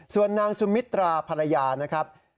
ส่วนนางสุมิตราภรรยานะครับ